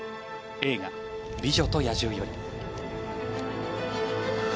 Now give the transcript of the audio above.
映画「美女と野獣」より。